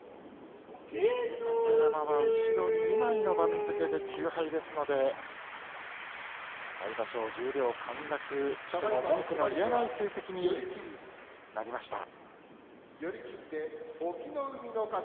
豊山は後ろ２枚の番付で９敗ですので来場所、十両陥落しても文句の言えない成績になりました。